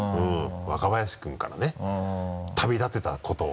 若林君からね旅立てたことが。